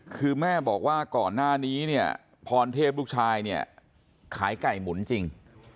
คือแม่บอกว่าก่อนหน้านี้เนี่ยพรเทพลูกชายเนี่ยขายไก่หมุนจริง